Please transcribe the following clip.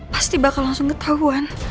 pasti bakal langsung ketahuan